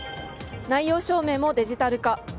内容証明もデジタル化。